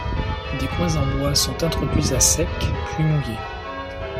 Des coins en bois sont introduits à sec, puis mouillés.